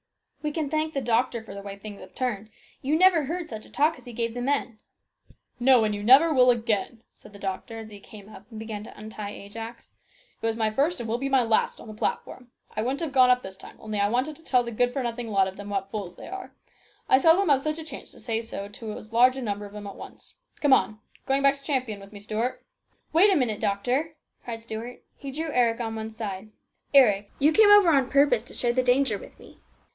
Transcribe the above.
" We can thank the doctor for the way things have turned. You never heard such a talk as he gave the men." " No, and you never will again," said the doctor, as he came up and began to untie Ajax. "It was my first and will be my last on the platform. I wouldn't have gone up this time only I wanted to tell the good for nothing lot of them what fools they are. I seldom have such a chance to say so to as large a number of 'em at once. Come on. Going back to Champion with me, Stuart ?"" Wait a minute, doctor !" cried Stuart. He drew Eric on one side. " Eric, you came over on purpose to share the danger with me.